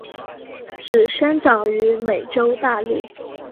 只生长于美洲大陆。